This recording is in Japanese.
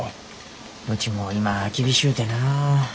うちも今厳しゅうてな。